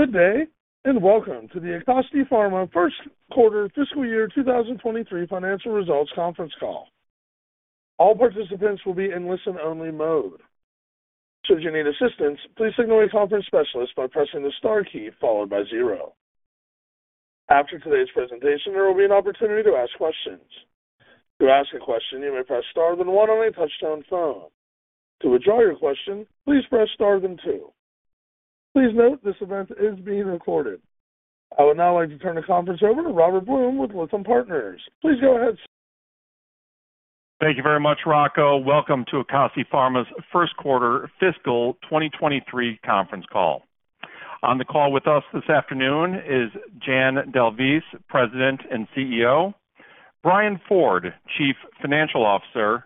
Good day, and welcome to the Acasti Pharma First Quarter Fiscal Year 2023 Financial Results Conference Call. All participants will be in listen-only mode. Should you need assistance, please signal a conference specialist by pressing the star key followed by zero. After today's presentation, there will be an opportunity to ask questions. To ask a question, you may press star then one on a touch-tone phone. To withdraw your question, please press star then two. Please note this event is being recorded. I would now like to turn the conference over to Robert Blum with Lytham Partners. Please go ahead, sir. Thank you very much, Rocco. Welcome to Acasti Pharma' first quarter fiscal 2023 conference call. On the call with us this afternoon is Jan D'Alvise, President and CEO, Brian Ford, Chief Financial Officer,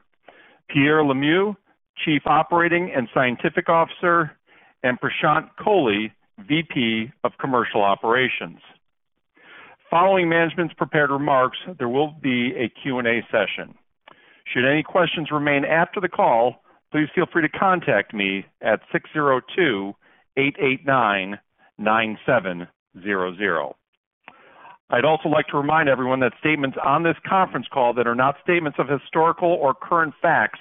Pierre Lemieux, Chief Operating and Scientific Officer, and Prashant Kohli, VP of Commercial Operations. Following management's prepared remarks, there will be a Q&A session. Should any questions remain after the call, please feel free to contact me at 602-889-9700. I'd also like to remind everyone that statements on this conference call that are not statements of historical or current facts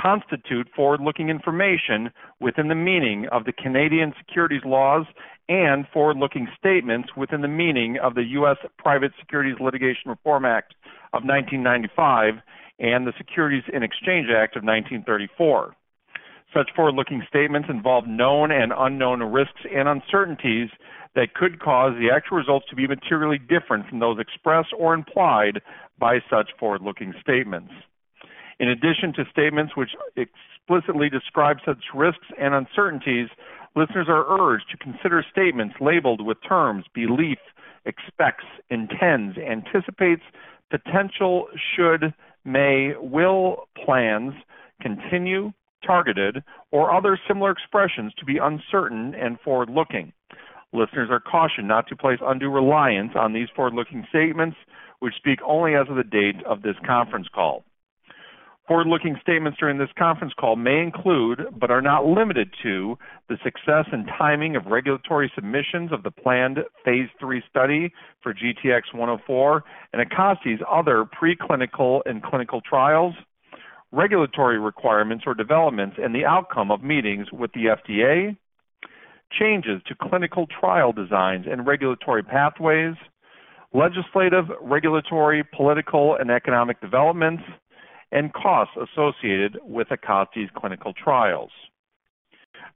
constitute forward-looking information within the meaning of the Canadian securities laws and forward-looking statements within the meaning of the U.S. Private Securities Litigation Reform Act of 1995 and the Securities Exchange Act of 1934. Such forward-looking statements involve known and unknown risks and uncertainties that could cause the actual results to be materially different from those expressed or implied by such forward-looking statements. In addition to statements which explicitly describe such risks and uncertainties, listeners are urged to consider statements labeled with terms belief, expects, intends, anticipates, potential, should, may, will, plans, continue, targeted, or other similar expressions to be uncertain and forward-looking. Listeners are cautioned not to place undue reliance on these forward-looking statements, which speak only as of the date of this conference call. Forward-looking statements during this conference call may include, but are not limited to, the success and timing of regulatory submissions of the planned phase 3 study for GTx-104 Acasti Pharma's other preclinical and clinical trials, regulatory requirements or developments in the outcome of meetings with the FDA, changes to clinical trial designs and regulatory pathways, legislative, regulatory, political, and economic developments, and costs associated Acasti Pharma's clinical trials.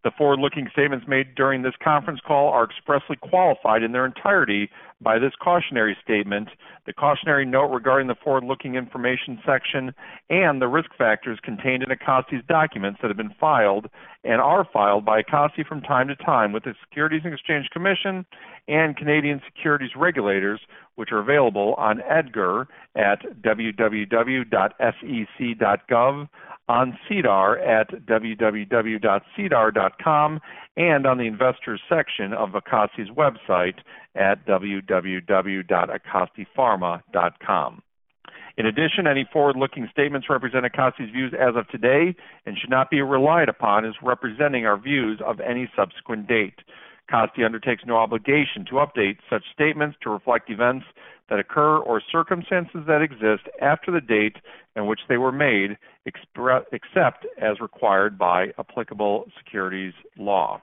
The forward-looking statements made during this conference call are expressly qualified in their entirety by this cautionary statement, the cautionary note regarding the forward-looking information section, and the risk factors contained Acasti Pharma's documents that have been filed and are filed Acasti Pharma from time to time with the Securities and Exchange Commission and Canadian Securities Regulators, which are available on EDGAR at www.sec.gov, on SEDAR at www.sedar.com, and on the investors section Acasti Pharma's website at www.acastipharma.com. In addition, any forward-looking statements Acasti Pharma' views as of today and should not be relied upon as representing our views of any subsequent Acasti Pharma undertakes no obligation to update such statements to reflect events that occur or circumstances that exist after the date in which they were made, except as required by applicable securities law.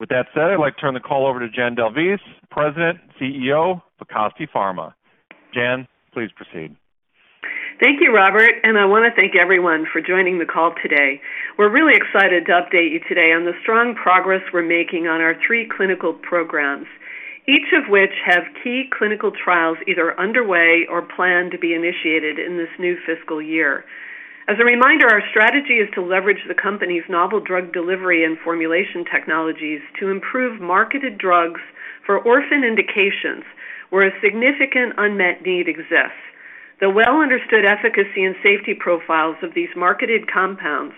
With that said, I'd like to turn the call over to Jan D'Alvise, President and CEO of Acasti Pharma, Inc. Jan, please proceed. Thank you, Robert, and I want to thank everyone for joining the call today. We're really excited to update you today on the strong progress we're making on our three clinical programs, each of which have key clinical trials either underway or planned to be initiated in this new fiscal year. As a reminder, our strategy is to leverage the company's novel drug delivery and formulation technologies to improve marketed drugs for orphan indications where a significant unmet need exists. The well-understood efficacy and safety profiles of these marketed compounds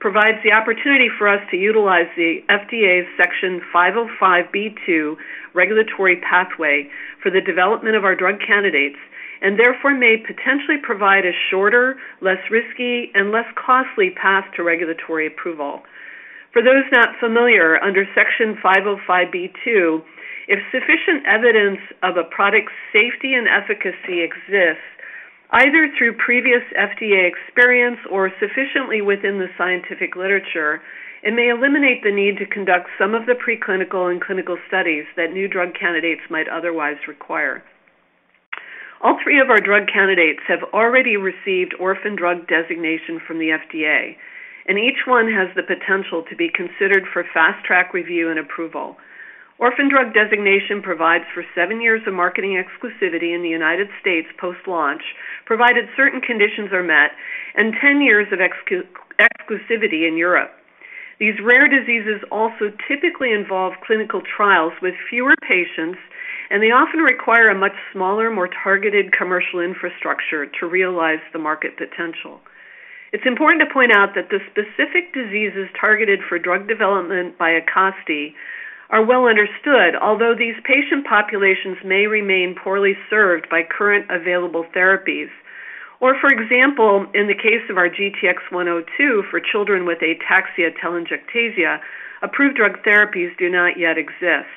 provides the opportunity for us to utilize the FDA's Section 505(b)(2) regulatory pathway for the development of our drug candidates, and therefore may potentially provide a shorter, less risky, and less costly path to regulatory approval. For those not familiar, under Section 505(b)(2), if sufficient evidence of a product's safety and efficacy exists, either through previous FDA experience or sufficiently within the scientific literature, it may eliminate the need to conduct some of the preclinical and clinical studies that new drug candidates might otherwise require. All three of our drug candidates have already received orphan drug designation from the FDA, and each one has the potential to be considered for fast-track review and approval. Orphan drug designation provides for seven years of marketing exclusivity in the United States post-launch, provided certain conditions are met, and ten years of exclusivity in Europe. These rare diseases also typically involve clinical trials with fewer patients, and they often require a much smaller, more targeted commercial infrastructure to realize the market potential. It's important to point out that the specific diseases targeted for drug development Acasti Pharma are well understood, although these patient populations may remain poorly served by current available therapies, or for example, in the case of our GTx-102 for children with ataxia-telangiectasia, approved drug therapies do not yet exist.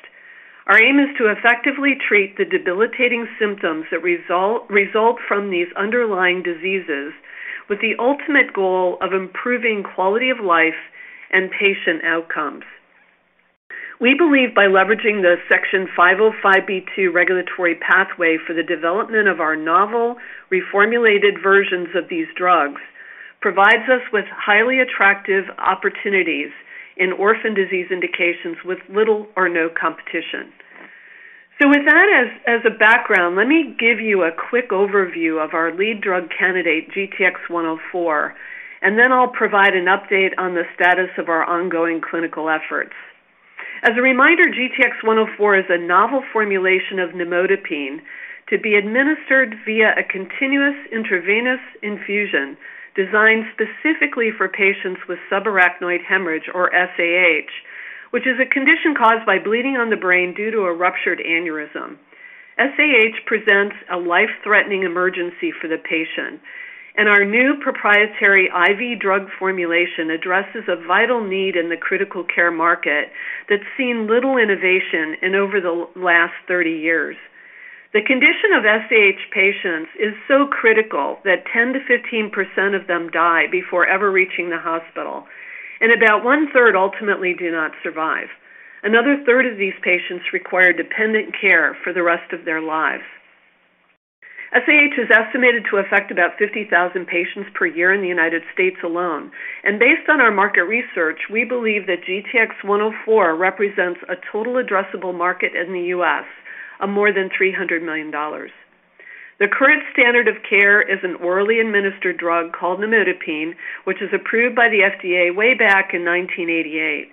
Our aim is to effectively treat the debilitating symptoms that result from these underlying diseases with the ultimate goal of improving quality of life and patient outcomes. We believe by leveraging the Section 505(b)(2) regulatory pathway for the development of our novel reformulated versions of these drugs provides us with highly attractive opportunities in orphan disease indications with little or no competition. With that as a background, let me give you a quick overview of our lead drug candidate, GTx-104, and then I'll provide an update on the status of our ongoing clinical efforts. As a reminder, GTx-104 is a novel formulation of nimodipine to be administered via a continuous intravenous infusion designed specifically for patients with subarachnoid hemorrhage, or SAH, which is a condition caused by bleeding on the brain due to a ruptured aneurysm. SAH presents a life-threatening emergency for the patient, and our new proprietary IV drug formulation addresses a vital need in the critical care market that's seen little innovation in over the last 30 years. The condition of SAH patients is so critical that 10%-15% of them die before ever reaching the hospital, and about one-third ultimately do not survive. Another third of these patients require dependent care for the rest of their lives. SAH is estimated to affect about 50,000 patients per year in the United States alone, and based on our market research, we believe that GTx-104 represents a total addressable market in the U.S. of more than $300 million. The current standard of care is an orally administered drug called nimodipine, which is approved by the FDA way back in 1988.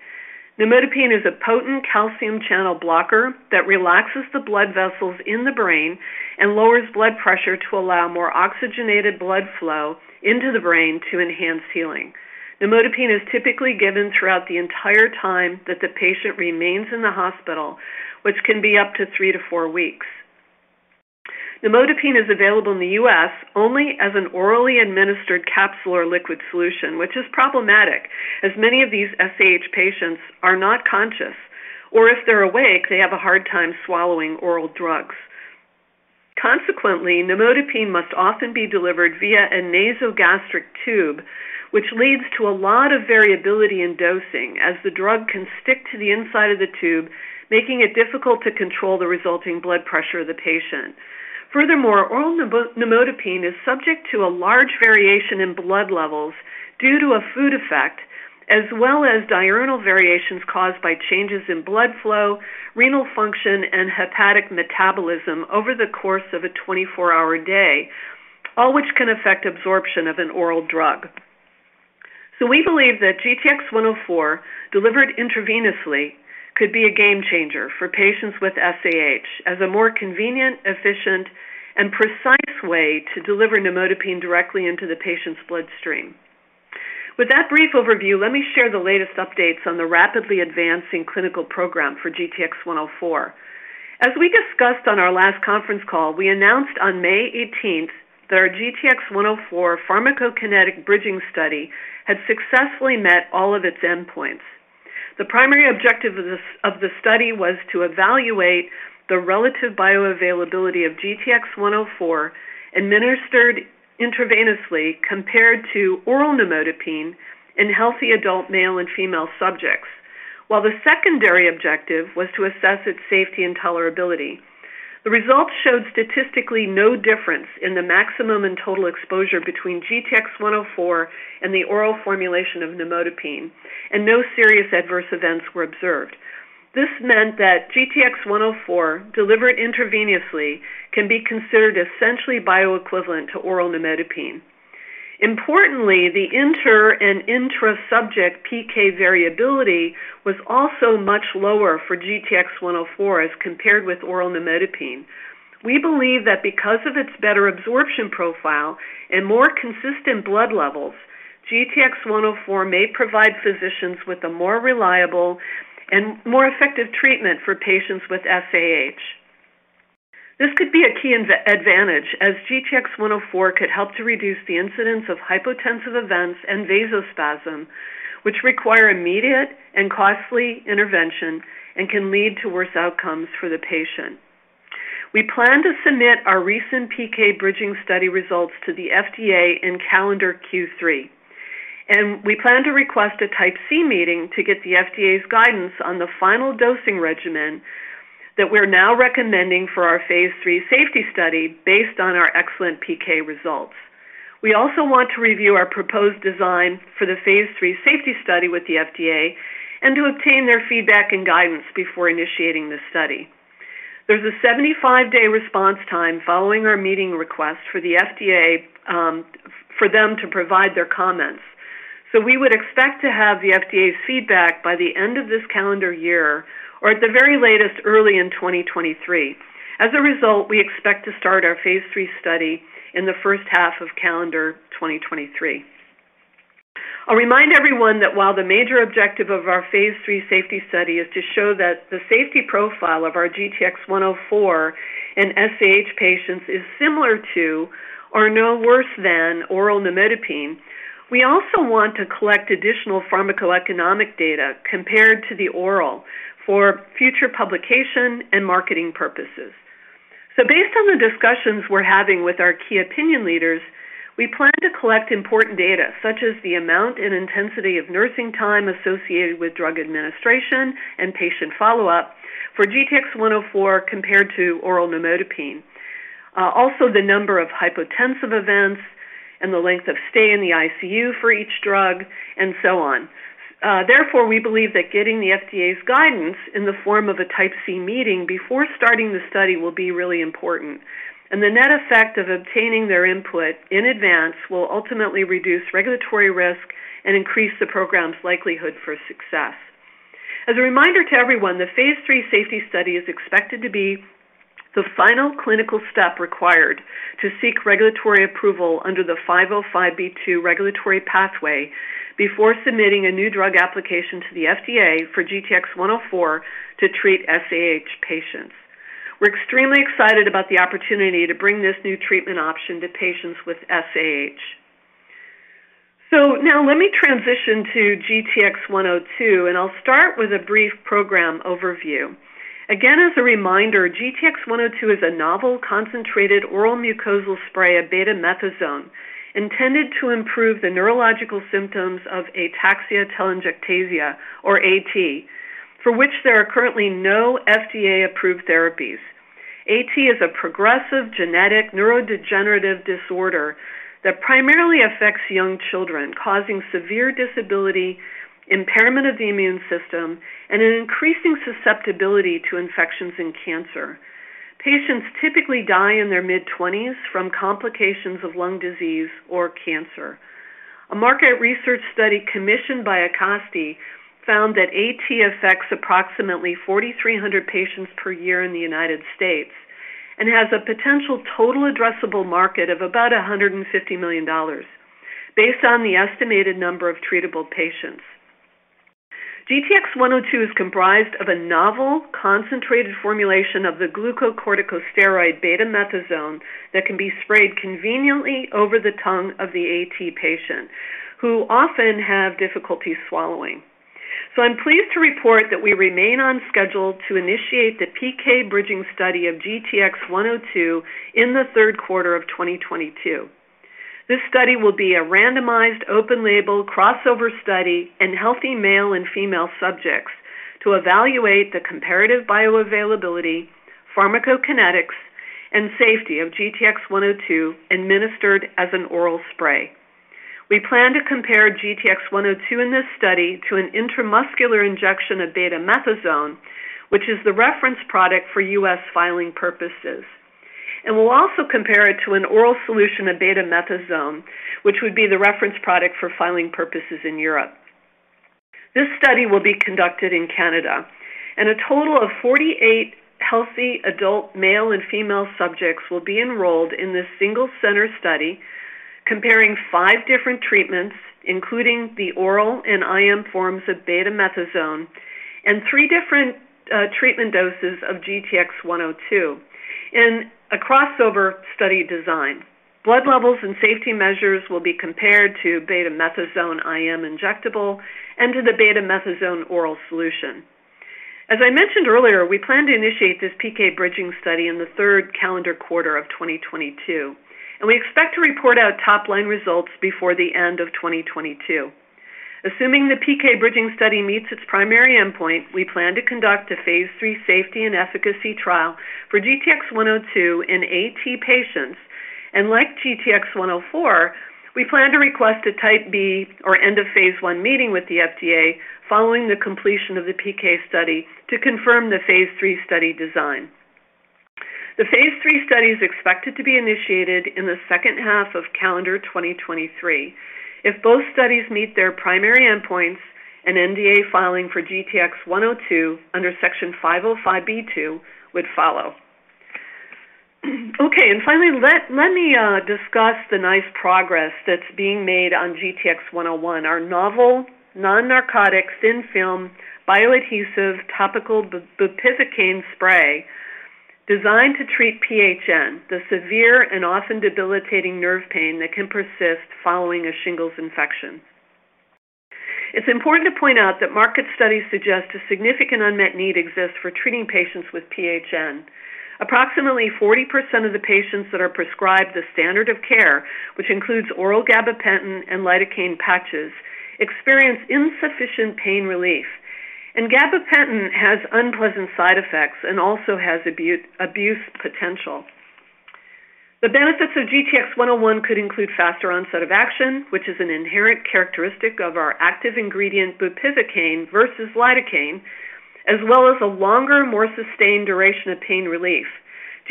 Nimodipine is a potent calcium channel blocker that relaxes the blood vessels in the brain and lowers blood pressure to allow more oxygenated blood flow into the brain to enhance healing. Nimodipine is typically given throughout the entire time that the patient remains in the hospital, which can be up to 3-4 weeks. Nimodipine is available in the U.S. only as an orally administered capsule or liquid solution, which is problematic as many of these SAH patients are not conscious, or if they're awake, they have a hard time swallowing oral drugs. Consequently, nimodipine must often be delivered via a nasogastric tube, which leads to a lot of variability in dosing as the drug can stick to the inside of the tube, making it difficult to control the resulting blood pressure of the patient. Furthermore, oral nimodipine is subject to a large variation in blood levels due to a food effect as well as diurnal variations caused by changes in blood flow, renal function, and hepatic metabolism over the course of a 24-hour day, all which can affect absorption of an oral drug. We believe that GTx-104 delivered intravenously could be a game changer for patients with SAH as a more convenient, efficient, and precise way to deliver nimodipine directly into the patient's bloodstream. With that brief overview, let me share the latest updates on the rapidly advancing clinical program for GTx-104. As we discussed on our last conference call, we announced on May 18th that our GTx-104 pharmacokinetic bridging study had successfully met all of its endpoints. The primary objective of the study was to evaluate the relative bioavailability of GTx-104 administered intravenously compared to oral nimodipine in healthy adult male and female subjects, while the secondary objective was to assess its safety and tolerability. The results showed statistically no difference in the maximum and total exposure between GTx-104 and the oral formulation of nimodipine, and no serious adverse events were observed. This meant that GTX-104 delivered intravenously can be considered essentially bioequivalent to oral nimodipine. Importantly, the inter- and intra-subject PK variability was also much lower for GTX-104 as compared with oral nimodipine. We believe that because of its better absorption profile and more consistent blood levels, GTX-104 may provide physicians with a more reliable and more effective treatment for patients with SAH. This could be a key advantage as GTX-104 could help to reduce the incidence of hypotensive events and vasospasm, which require immediate and costly intervention and can lead to worse outcomes for the patient. We plan to submit our recent PK bridging study results to the FDA in calendar Q3, and we plan to request a Type C meeting to get the FDA's guidance on the final dosing regimen that we're now recommending for our phase 3 safety study based on our excellent PK results. We also want to review our proposed design for the phase 3 safety study with the FDA and to obtain their feedback and guidance before initiating the study. There's a 75-day response time following our meeting request for the FDA for them to provide their comments. We would expect to have the FDA's feedback by the end of this calendar year or at the very latest early in 2023. As a result, we expect to start our phase 3 study in the first half of calendar 2023. I'll remind everyone that while the major objective of our phase three safety study is to show that the safety profile of our GTx-104 in SAH patients is similar to or no worse than oral nimodipine, we also want to collect additional pharmacoeconomic data compared to the oral for future publication and marketing purposes. Based on the discussions we're having with our key opinion leaders, we plan to collect important data such as the amount and intensity of nursing time associated with drug administration and patient follow-up for GTx-104 compared to oral nimodipine. Also the number of hypotensive events and the length of stay in the ICU for each drug, and so on. Therefore, we believe that getting the FDA's guidance in the form of a Type C meeting before starting the study will be really important, and the net effect of obtaining their input in advance will ultimately reduce regulatory risk and increase the program's likelihood for success. As a reminder to everyone, the phase 3 safety study is expected to be the final clinical step required to seek regulatory approval under the 505(b)(2) regulatory pathway before submitting a new drug application to the FDA for GTX-104 to treat SAH patients. We're extremely excited about the opportunity to bring this new treatment option to patients with SAH. Now let me transition to GTX-102, and I'll start with a brief program overview. Again, as a reminder, GTX-102 is a novel, concentrated oral mucosal spray of betamethasone intended to improve the neurological symptoms of ataxia-telangiectasia, or A-T, for which there are currently no FDA-approved therapies. A-T is a progressive genetic neurodegenerative disorder that primarily affects young children, causing severe disability, impairment of the immune system, and an increasing susceptibility to infections and cancer. Patients typically die in their mid-twenties from complications of lung disease or cancer. A market research study commissioned by Acasti found that A-T affects approximately 4,300 patients per year in the United States and has a potential total addressable market of about $150 million based on the estimated number of treatable patients. GTX-102 is comprised of a novel, concentrated formulation of the glucocorticosteroid betamethasone that can be sprayed conveniently over the tongue of the A-T patient, who often have difficulty swallowing. I'm pleased to report that we remain on schedule to initiate the PK bridging study of GTX-102 in the third quarter of 2022. This study will be a randomized, open-label crossover study in healthy male and female subjects to evaluate the comparative bioavailability, pharmacokinetics, and safety of GTX-102 administered as an oral spray. We plan to compare GTx-102 in this study to an intramuscular injection of betamethasone, which is the reference product for U.S. filing purposes. We'll also compare it to an oral solution of betamethasone, which would be the reference product for filing purposes in Europe. This study will be conducted in Canada, and a total of 48 healthy adult male and female subjects will be enrolled in this single-center study comparing five different treatments, including the oral and IM forms of betamethasone and three different treatment doses of GTx-102 in a crossover study design. Blood levels and safety measures will be compared to betamethasone IM injectable and to the betamethasone oral solution. As I mentioned earlier, we plan to initiate this PK bridging study in the third calendar quarter of 2022, and we expect to report out top-line results before the end of 2022. Assuming the PK bridging study meets its primary endpoint, we plan to conduct a phase 3 safety and efficacy trial for GTx-102 in A-T patients. Like GTx-104, we plan to request a Type B or end-of-phase 1 meeting with the FDA following the completion of the PK study to confirm the phase 3 study design. The phase 3 study is expected to be initiated in the second half of calendar 2023. If both studies meet their primary endpoints, an NDA filing for GTx-102 under Section 505(b)(2) would follow. Okay, and finally, let me discuss the nice progress that's being made on GTx-101, our novel, non-narcotic, thin film, bioadhesive, topical bupivacaine spray designed to treat PHN, the severe and often debilitating nerve pain that can persist following a shingles infection. It's important to point out that market studies suggest a significant unmet need exists for treating patients with PHN. Approximately 40% of the patients that are prescribed the standard of care, which includes oral gabapentin and lidocaine patches, experience insufficient pain relief. Gabapentin has unpleasant side effects and also has abuse potential. The benefits of GTx-101 could include faster onset of action, which is an inherent characteristic of our active ingredient bupivacaine versus lidocaine, as well as a longer, more sustained duration of pain relief.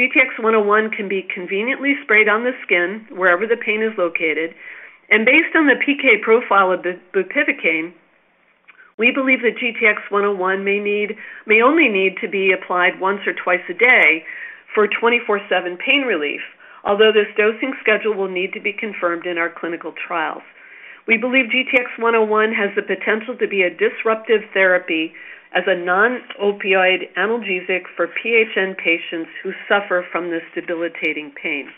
GTx-101 can be conveniently sprayed on the skin wherever the pain is located. Based on the PK profile of bupivacaine, we believe that GTx-101 may only need to be applied once or twice a day for 24/7 pain relief. Although this dosing schedule will need to be confirmed in our clinical trials. We believe GTx-101 has the potential to be a disruptive therapy as a non-opioid analgesic for PHN patients who suffer from this debilitating pain.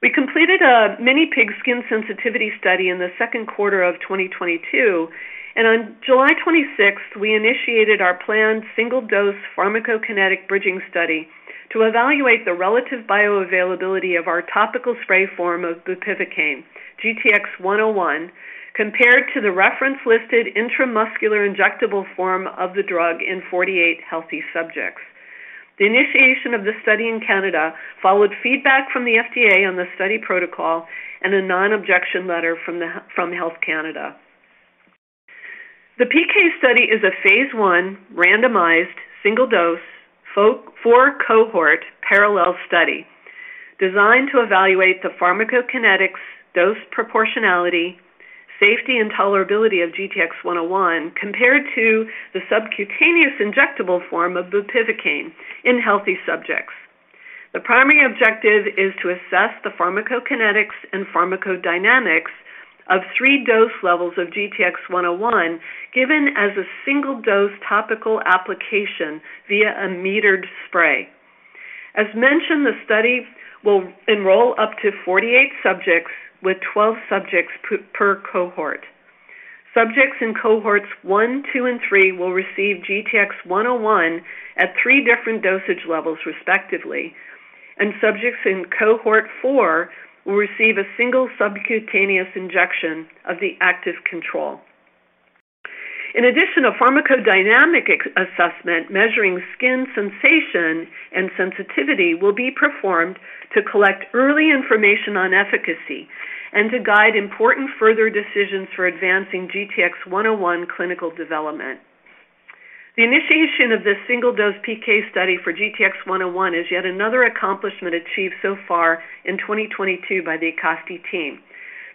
We completed a mini pig skin sensitivity study in the second quarter of 2022, and on July 26th, we initiated our planned single-dose pharmacokinetic bridging study to evaluate the relative bioavailability of our topical spray form of bupivacaine, GTx-101, compared to the reference-listed intramuscular injectable form of the drug in 48 healthy subjects. The initiation of the study in Canada followed feedback from the FDA on the study protocol and a non-objection letter from Health Canada. The PK study is a phase 1 randomized single-dose four cohort parallel study designed to evaluate the pharmacokinetics, dose proportionality, safety, and tolerability of GTx-101 compared to the subcutaneous injectable form of bupivacaine in healthy subjects. The primary objective is to assess the pharmacokinetics and pharmacodynamics of three dose levels of GTX-101 given as a single dose topical application via a metered spray. As mentioned, the study will enroll up to 48 subjects with 12 subjects per cohort. Subjects in cohorts 1, 2, and 3 will receive GTX-101 at three different dosage levels respectively, and subjects in cohort 4 will receive a single subcutaneous injection of the active control. In addition, a pharmacodynamic assessment measuring skin sensation and sensitivity will be performed to collect early information on efficacy and to guide important further decisions for advancing GTX-101 clinical development. The initiation of this single-dose PK study for GTX-101 is yet another accomplishment achieved so far in 2022 by the Acasti team.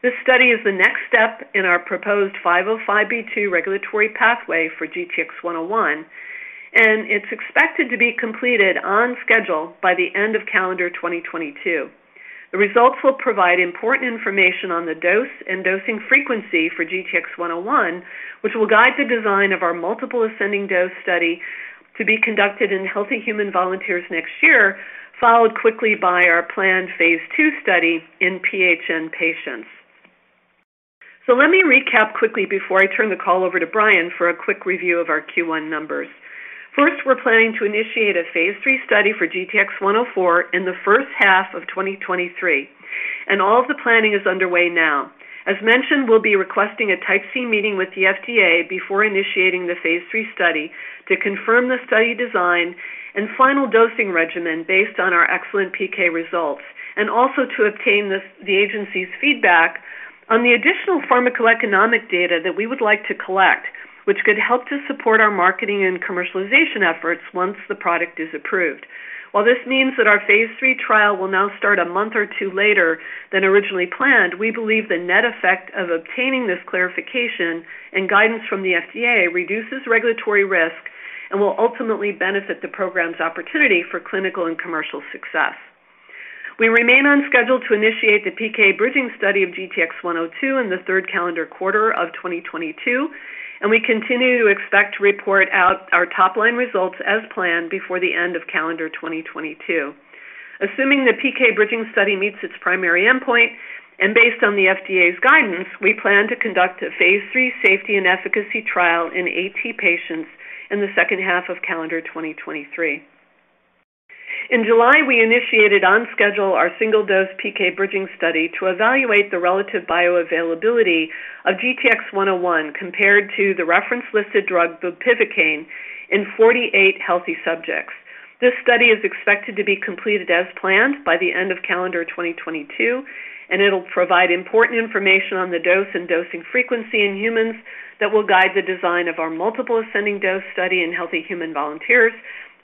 This study is the next step in our proposed 505(b)(2) regulatory pathway for GTx-101, and it's expected to be completed on schedule by the end of calendar 2022. The results will provide important information on the dose and dosing frequency for GTx-101, which will guide the design of our multiple ascending dose study to be conducted in healthy human volunteers next year, followed quickly by our planned phase II study in PHN patients. Let me recap quickly before I turn the call over to Brian for a quick review of our Q1 numbers. First, we're planning to initiate a phase III study for GTx-104 in the first half of 2023, and all of the planning is underway now. As mentioned, we'll be requesting a Type C meeting with the FDA before initiating the phase III study to confirm the study design and final dosing regimen based on our excellent PK results, and also to obtain this, the agency's feedback on the additional pharmacoeconomic data that we would like to collect, which could help to support our marketing and commercialization efforts once the product is approved. While this means that our phase III trial will now start a month or two later than originally planned, we believe the net effect of obtaining this clarification and guidance from the FDA reduces regulatory risk and will ultimately benefit the program's opportunity for clinical and commercial success. We remain on schedule to initiate the PK bridging study of GTX-102 in the third calendar quarter of 2022, and we continue to expect to report out our top-line results as planned before the end of calendar 2022. Assuming the PK bridging study meets its primary endpoint, and based on the FDA's guidance, we plan to conduct a phase 3 safety and efficacy trial in AT patients in the second half of calendar 2023. In July, we initiated on schedule our single-dose PK bridging study to evaluate the relative bioavailability of GTX-101 compared to the reference-listed drug, bupivacaine, in 48 healthy subjects. This study is expected to be completed as planned by the end of calendar 2022, and it'll provide important information on the dose and dosing frequency in humans that will guide the design of our multiple ascending dose study in healthy human volunteers,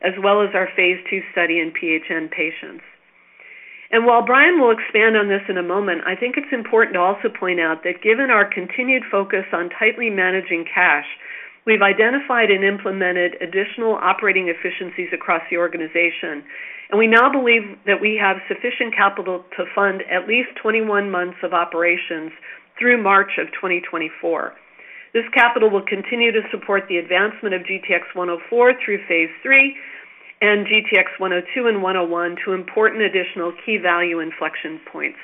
as well as our phase II study in PHN patients. While Brian will expand on this in a moment, I think it's important to also point out that given our continued focus on tightly managing cash, we've identified and implemented additional operating efficiencies across the organization, and we now believe that we have sufficient capital to fund at least 21 months of operations through March 2024. This capital will continue to support the advancement of GTx-104 through phase 3 and GTx-102 and GTx-101 to important additional key value inflection points.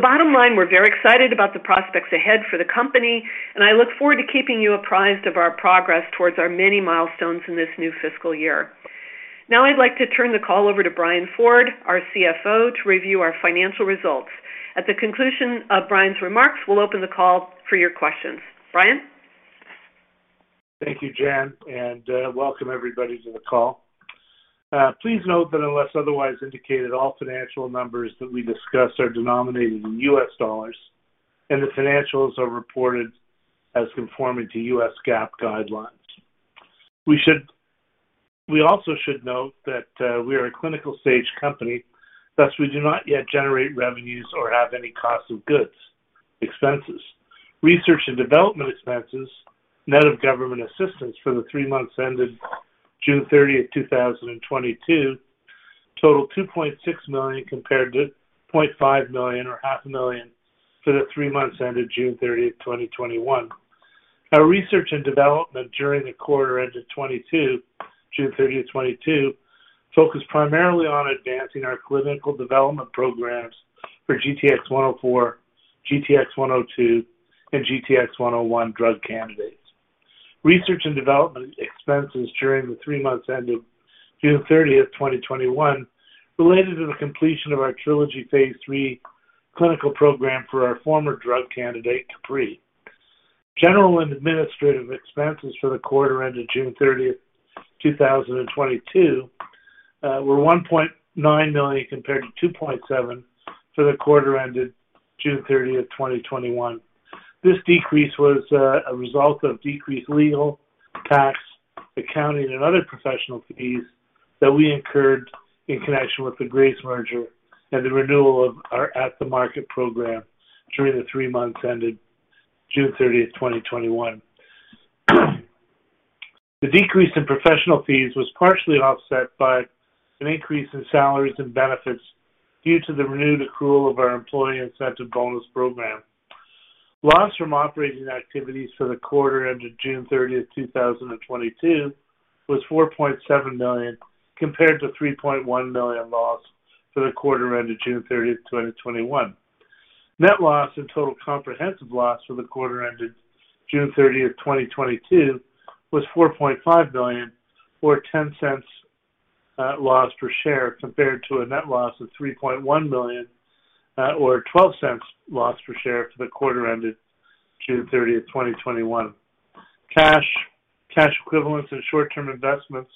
Bottom line, we're very excited about the prospects ahead for the company, and I look forward to keeping you apprised of our progress towards our many milestones in this new fiscal year. Now I'd like to turn the call over to Brian Ford, our CFO, to review our financial results. At the conclusion of Brian's remarks, we'll open the call for your questions. Brian? Thank you, Jan, and welcome everybody to the call. Please note that unless otherwise indicated, all financial numbers that we discuss are denominated in U.S. dollars and the financials are reported as conforming to U.S. GAAP guidelines. We also should note that we are a clinical stage company, thus we do not yet generate revenues or have any cost of goods expenses. Research and development expenses net of government assistance for the three months ended June 30, 2022 totaled $2.6 million compared to $0.5 million or half a million for the three months ended June 30, 2021. Our research and development during the quarter ended 2022, June 30, 2022, focused primarily on advancing our clinical development programs for GTx-104, GTx-102, and GTx-101 drug candidates. Research and development expenses during the three months ended June 30, 2021 related to the completion of our TRILOGY phase III clinical program for our former drug candidate, CaPre. General and administrative expenses for the quarter ended June 30, 2022 were $1.9 million compared to $2.7 million for the quarter ended June 30, 2021. This decrease was a result of decreased legal, tax, accounting, and other professional fees that we incurred in connection with the Grace merger and the renewal of our at-the-market program during the three months ended June 30, 2021. The decrease in professional fees was partially offset by an increase in salaries and benefits due to the renewed accrual of our employee incentive bonus program. Loss from operating activities for the quarter ended June 30, 2022 was $4.7 million, compared to $3.1 million loss for the quarter ended June 30, 2021. Net loss and total comprehensive loss for the quarter ended June 30, 2022 was $4.5 million or $0.10 loss per share, compared to a net loss of $3.1 million or $0.12 loss per share for the quarter ended June 30, 2021. Cash, cash equivalents and short-term investments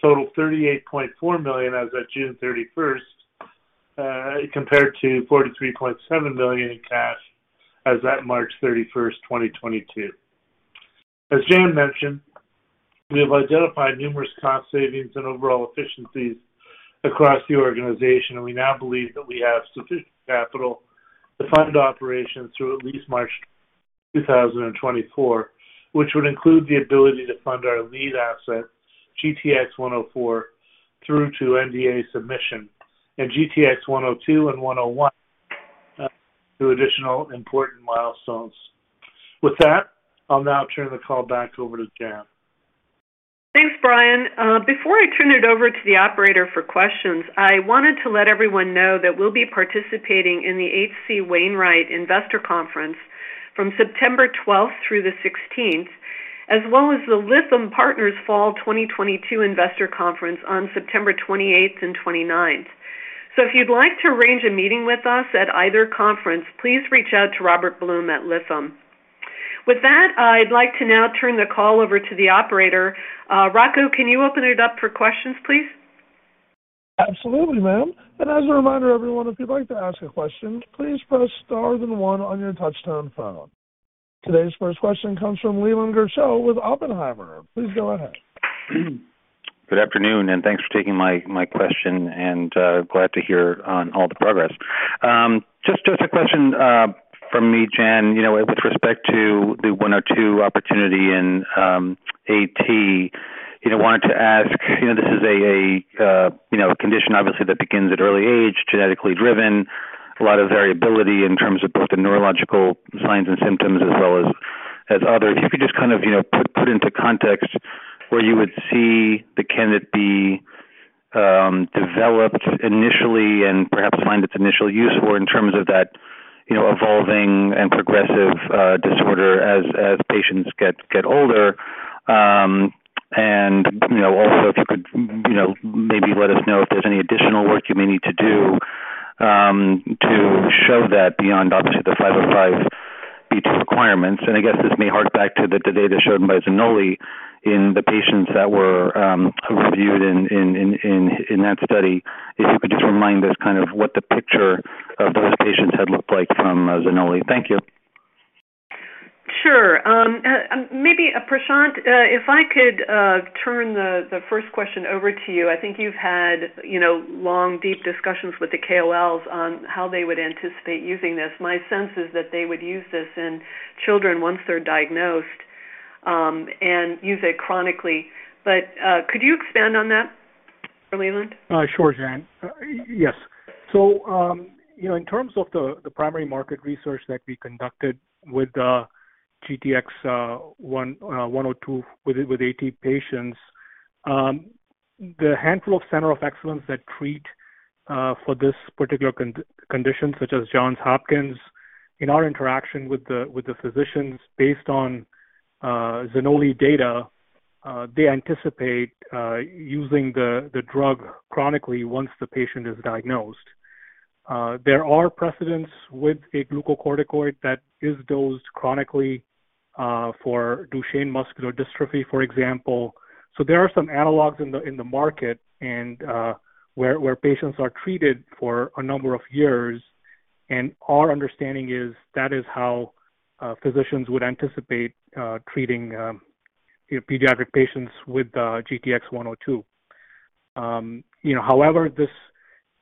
totaled $38.4 million as at June 30, compared to $43.7 million in cash as at March 31, 2022. As Jan mentioned, we have identified numerous cost savings and overall efficiencies across the organization, and we now believe that we have sufficient capital to fund operations through at least March 2024, which would include the ability to fund our lead asset, GTx-104, through to NDA submission and GTx-102 and GTx-101 through additional important milestones. With that, I'll now turn the call back over to Jan. Thanks, Brian. Before I turn it over to the operator for questions, I wanted to let everyone know that we'll be participating in the H.C. Wainwright Investor Conference from September 12th through the 16th, as well as the Lytham Partners Fall 2022 Investor Conference on September 28th and 29th. If you'd like to arrange a meeting with us at either conference, please reach out to Robert Blum at Lytham. With that, I'd like to now turn the call over to the operator. Rocco, can you open it up for questions, please? Absolutely, ma'am. As a reminder, everyone, if you'd like to ask a question, please press star then one on your touch-tone phone. Today's first question comes from Leland Gershell with Oppenheimer. Please go ahead. Good afternoon, and thanks for taking my question and glad to hear on all the progress. Just a question from me, Jan. You know, with respect to the GTx-102 opportunity in A-T, you know, wanted to ask, you know, this is a condition obviously that begins at early age, genetically driven, a lot of variability in terms of both the neurological signs and symptoms as well as others. If you could just kind of, you know, put into context where you would see the candidate be developed initially and perhaps find its initial use or in terms of that, you know, evolving and progressive disorder as patients get older. You know, also if you could, you know, maybe let us know if there's any additional work you may need to do to show that beyond obviously the 5 by 5 B2 requirements. I guess this may hark back to the data shown by Zannolli in the patients that were reviewed in that study. If you could just remind us kind of what the picture of those patients had looked like from Zannolli. Thank you. Sure. Maybe Prashant, if I could turn the first question over to you. I think you've had, you know, long, deep discussions with the KOLs on how they would anticipate using this. My sense is that they would use this in children once they're diagnosed, and use it chronically. Could you expand on that for Leland? Sure, Jan. Yes. You know, in terms of the primary market research that we conducted with GTx-102 with AT patients, the handful of centers of excellence that treat for this particular condition, such as Johns Hopkins, in our interaction with the physicians, based on Zannolli data, they anticipate using the drug chronically once the patient is diagnosed. There are precedents with a glucocorticoid that is dosed chronically for Duchenne muscular dystrophy, for example. There are some analogs in the market and where patients are treated for a number of years. Our understanding is that is how physicians would anticipate treating, you know, pediatric patients with GTx-102. You know, however, this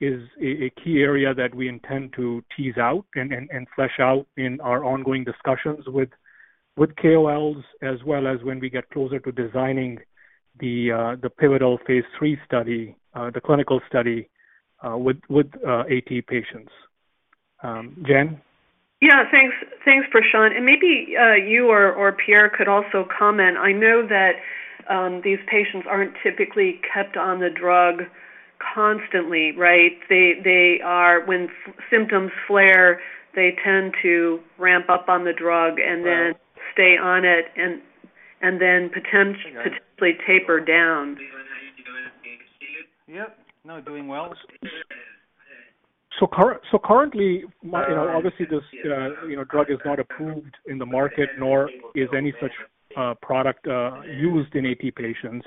is a key area that we intend to tease out and flesh out in our ongoing discussions with KOLs as well as when we get closer to designing the pivotal phase three study, the clinical study with A-T patients. Jan? Yeah. Thanks. Thanks, Prashant. Maybe you or Pierre could also comment. I know that these patients aren't typically kept on the drug constantly, right? When symptoms flare, they tend to ramp up on the drug and then. Right. Stay on it and then potent. Okay. Potentially taper down. Yeah. No, doing well. Currently, you know, obviously, this drug is not approved in the market, nor is any such product used in AT patients.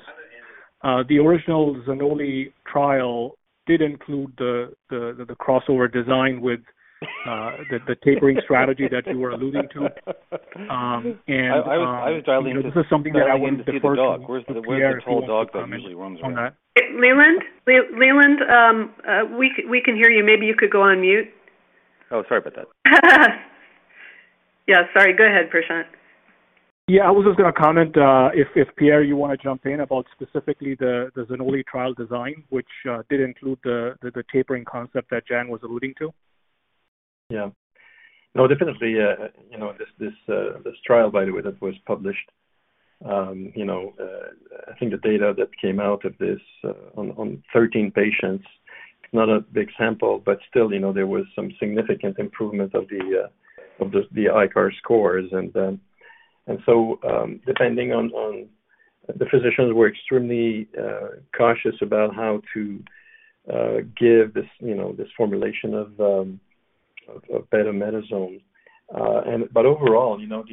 The original Zannolli trial did include the crossover design with the tapering strategy that you were alluding to. I was dialing in, but I wanted to see the dog. Where's the tall dog that usually runs around? This is something that I think the first Pierre can also comment on that. Leland, we can hear you. Maybe you could go on mute. Oh, sorry about that. Yeah. Sorry. Go ahead, Prashant. Yeah. I was just gonna comment, if Pierre, you wanna jump in about specifically the Zannolli trial design, which did include the tapering concept that Jan was alluding to. Yeah. No, definitely, you know, this trial, by the way, that was published, you know, I think the data that came out of this, on 13 patients, it's not a big sample, but still, you know, there was some significant improvement of the ICARS scores. Depending on the physicians were extremely cautious about how to give this, you know, this formulation of betamethasone. Overall, you know,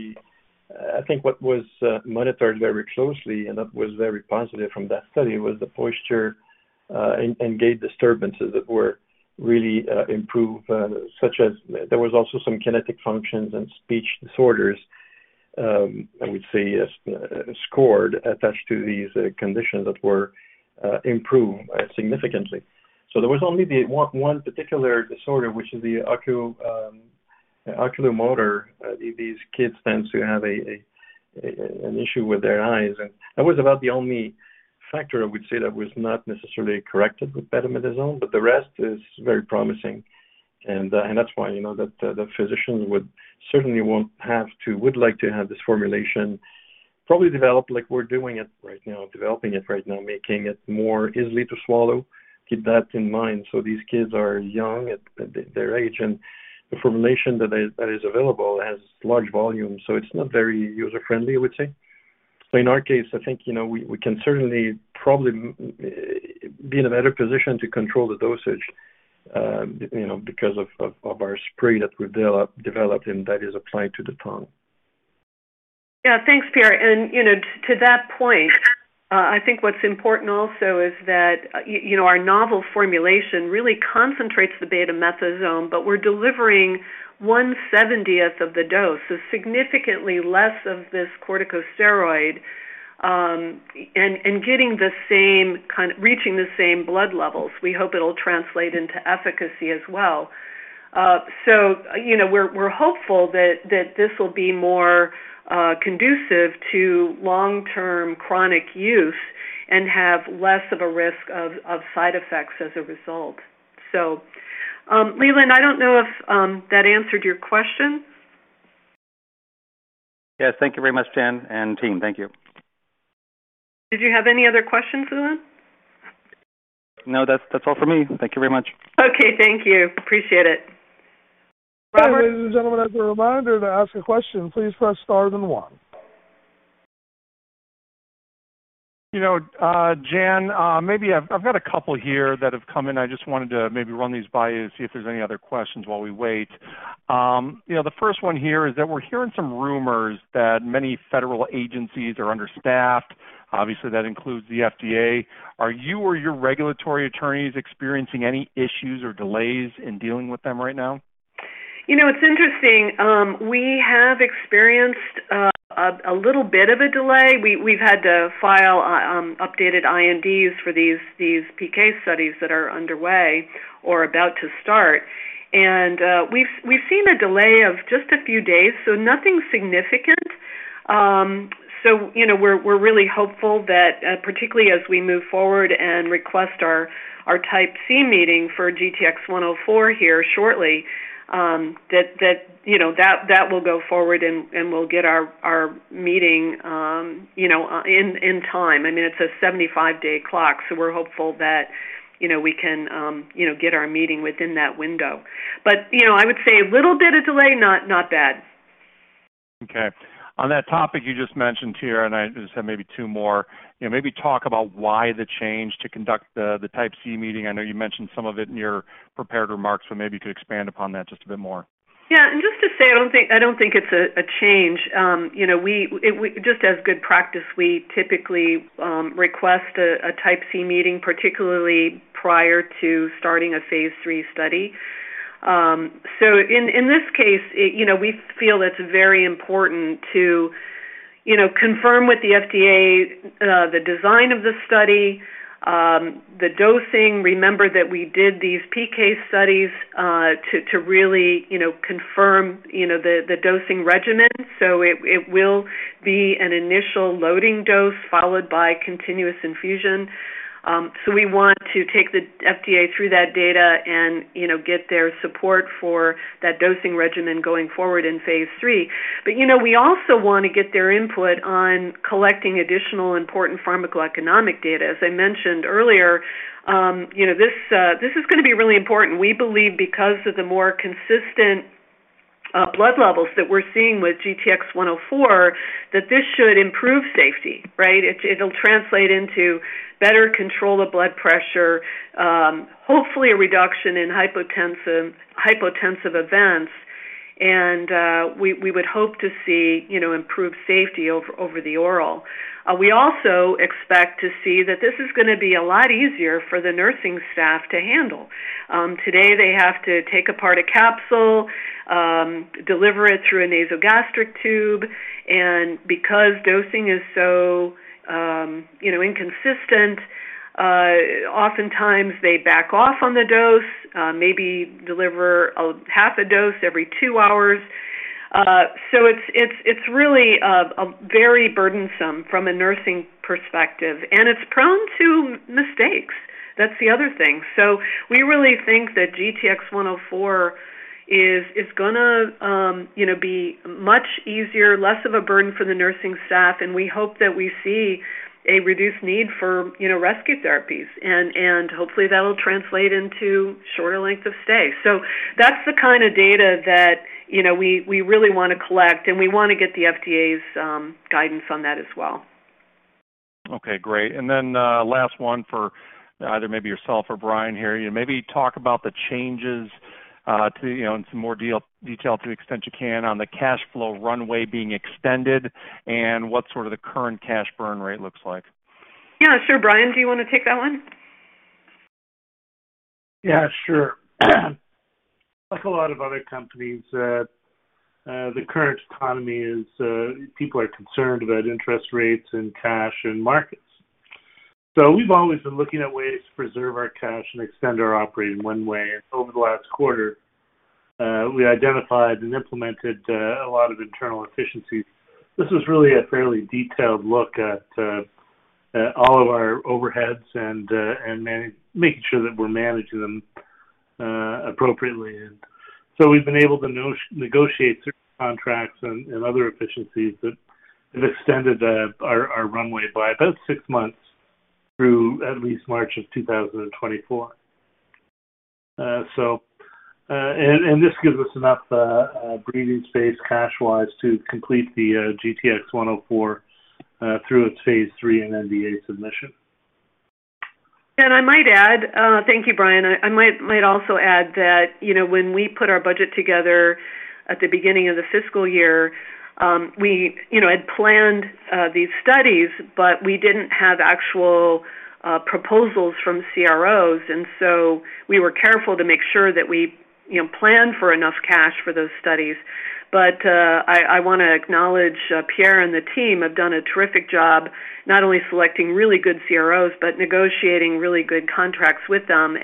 I think what was monitored very closely and that was very positive from that study was the posture and gait disturbances that were really improved, such as there was also some kinetic functions and speech disorders, I would say, scored attached to these conditions that were improved significantly. There was only the one particular disorder, which is the oculomotor. These kids tend to have an issue with their eyes. That was about the only factor I would say that was not necessarily corrected with betamethasone, but the rest is very promising. That's why, you know, the physicians would like to have this formulation developed like we're doing it right now, making it more easily to swallow. Keep that in mind. These kids are young at their age, and the formulation that is available has large volume, so it's not very user-friendly, I would say. In our case, I think, you know, we can certainly probably be in a better position to control the dosage, you know, because of our spray that we developed and that is applied to the tongue. Yeah. Thanks, Pierre. You know, to that point, I think what's important also is that, you know, our novel formulation really concentrates the betamethasone, but we're delivering 1/70th of the dose, so significantly less of this corticosteroid, and reaching the same blood levels. We hope it'll translate into efficacy as well. You know, we're hopeful that this will be more conducive to long-term chronic use and have less of a risk of side effects as a result. Leland, I don't know if that answered your question. Yes. Thank you very much, Jan and team. Thank you. Did you have any other questions, Leland? No. That's all for me. Thank you very much. Okay. Thank you. Appreciate it. Robert? Ladies and gentlemen, as a reminder to ask a question, please press star then one. You know, Jan, maybe I've got a couple here that have come in. I just wanted to maybe run these by you, see if there's any other questions while we wait. You know, the first one here is that we're hearing some rumors that many federal agencies are understaffed. Obviously, that includes the FDA. Are you or your regulatory attorneys experiencing any issues or delays in dealing with them right now? You know, it's interesting. We have experienced a little bit of a delay. We've had to file updated INDs for these PK studies that are underway or about to start. We've seen a delay of just a few days, so nothing significant. You know, we're really hopeful that, particularly as we move forward and request our type C meeting for GTx-104 here shortly, that will go forward, and we'll get our meeting in time. I mean, it's a 75-day clock, so we're hopeful that we can get our meeting within that window. You know, I would say a little bit of delay, not bad. Okay. On that topic you just mentioned here, I just have maybe two more. You know, maybe talk about why the change to conduct the Type C meeting. I know you mentioned some of it in your prepared remarks, so maybe you could expand upon that just a bit more. Yeah. Just to say, I don't think it's a change. You know, just as good practice, we typically request a Type C meeting, particularly prior to starting a phase three study. So in this case, you know, we feel it's very important to confirm with the FDA the design of the study, the dosing. Remember that we did these PK studies to really confirm the dosing regimen. So it will be an initial loading dose followed by continuous infusion. So we want to take the FDA through that data and you know, get their support for that dosing regimen going forward in phase three. You know, we also wanna get their input on collecting additional important pharmacoeconomic data. As I mentioned earlier, you know, this is gonna be really important, we believe because of the more consistent blood levels that we're seeing with GTX-104, that this should improve safety, right? It'll translate into better control of blood pressure, hopefully a reduction in hypotensive events, and we would hope to see, you know, improved safety over the oral. We also expect to see that this is gonna be a lot easier for the nursing staff to handle. Today, they have to take apart a capsule, deliver it through a nasogastric tube, and because dosing is so, you know, inconsistent, oftentimes they back off on the dose, maybe deliver a half a dose every two hours. It's really very burdensome from a nursing perspective, and it's prone to mistakes. That's the other thing. We really think that GTx-104 is gonna, you know, be much easier, less of a burden for the nursing staff, and we hope that we see a reduced need for, you know, rescue therapies. Hopefully that'll translate into shorter length of stay. That's the kinda data that, you know, we really wanna collect, and we wanna get the FDA's guidance on that as well. Okay, great. Last one for either maybe yourself or Brian here. Maybe talk about the changes to, you know, in some more detail to the extent you can on the cash flow runway being extended and what sort of the current cash burn rate looks like. Yeah, sure. Brian, do you wanna take that one? Yeah, sure. Like a lot of other companies in the current economy, people are concerned about interest rates and cash and markets. We've always been looking at ways to preserve our cash and extend our operating runway. Over the last quarter, we identified and implemented a lot of internal efficiencies. This was really a fairly detailed look at all of our overheads and making sure that we're managing them appropriately. We've been able to negotiate certain contracts and other efficiencies that have extended our runway by about six months through at least March of 2024. This gives us enough breathing space cash-wise to complete the GTx-104 through its phase 3 and NDA submission. Thank you, Brian. I might also add that, you know, when we put our budget together at the beginning of the fiscal year, we, you know, had planned these studies, but we didn't have actual proposals from CROs, and so we were careful to make sure that we, you know, planned for enough cash for those studies. I wanna acknowledge Pierre and the team have done a terrific job not only selecting really good CROs, but negotiating really good contracts with them.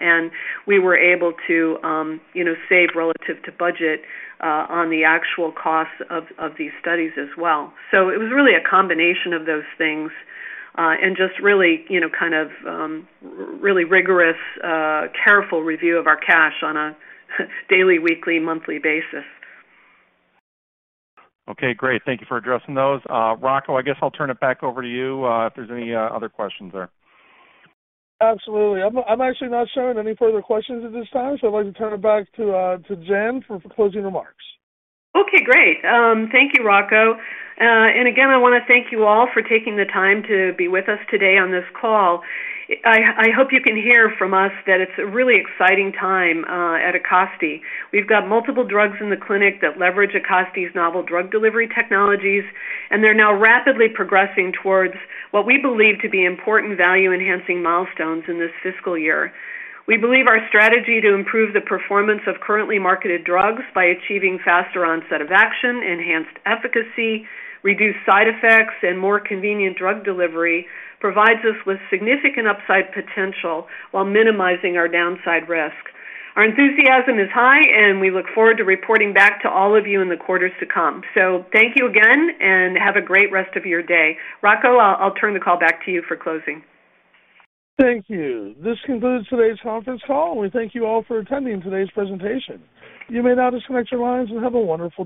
We were able to, you know, save relative to budget on the actual costs of these studies as well. It was really a combination of those things, and just really, you know, kind of, really rigorous, careful review of our cash on a daily, weekly, monthly basis. Okay, great. Thank you for addressing those. Rocco, I guess I'll turn it back over to you, if there's any other questions there. Absolutely. I'm actually not showing any further questions at this time, so I'd like to turn it back to Jan for closing remarks. Okay, great. Thank you, Rocco. And again, I want to thank you all for taking the time to be with us today on this call. I hope you can hear from us that it's a really exciting time Acasti Pharma. We've got multiple drugs in the clinic that Acasti Pharma's novel drug delivery technologies, and they're now rapidly progressing towards what we believe to be important value-enhancing milestones in this fiscal year. We believe our strategy to improve the performance of currently marketed drugs by achieving faster onset of action, enhanced efficacy, reduced side effects, and more convenient drug delivery provides us with significant upside potential while minimizing our downside risk. Our enthusiasm is high, and we look forward to reporting back to all of you in the quarters to come. Thank you again, and have a great rest of your day. Rocco, I'll turn the call back to you for closing. Thank you. This concludes today's conference call, and we thank you all for attending today's presentation. You may now disconnect your lines, and have a wonderful day.